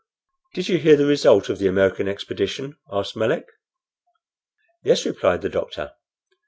"Did you hear the result of the American expedition?" asked Melick. "Yes," replied the doctor.